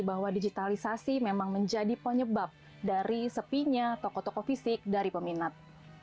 bahwa digitalisasi memang menjadi penyebab dari sepinya toko toko fisik dari peminat